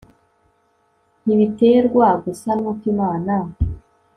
ntibiterwa gusa n'uko imana